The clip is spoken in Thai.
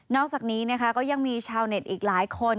อกจากนี้นะคะก็ยังมีชาวเน็ตอีกหลายคน